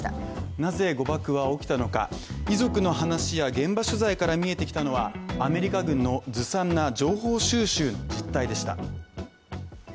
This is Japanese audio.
なぜ誤爆は起きたのか、遺族の話や現場取材から見えてきたのはアメリカ軍のずさんな情報収集でした。